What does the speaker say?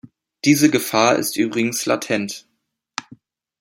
Diese Gefahr ist übrigens latent.